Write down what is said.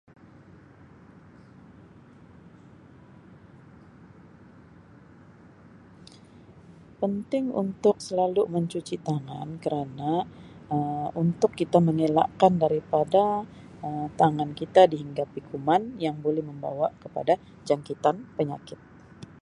Penting untuk selalu mencuci tangan kerana Um untuk kita mengelakkan daripada Um tangan kita dihinggapi kuman yang boleh membawa kepada jangkitan penyakit.